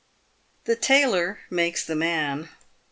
The tailor makes the man.